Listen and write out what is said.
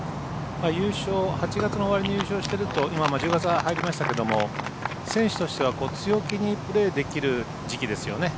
８月の終わりに優勝してると、１０月入りましたけど選手としては強気にプレーできる時期ですよね。